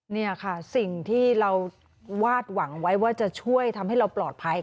เนี่ยค่ะสิ่งที่เราวาดหวังไว้